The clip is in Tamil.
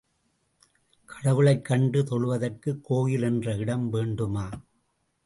கடவுளைக் கண்டு தொழுவதற்கு கோயில் என்ற இடம் வேண்டுமா?